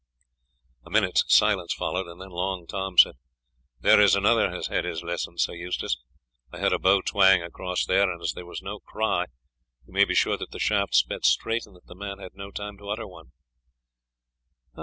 A minute's silence followed, and then Long Tom said, "There is another has had his lesson, Sir Eustace. I heard a bow twang across there, and as there was no cry you may be sure that the shaft sped straight, and that the man had no time to utter one."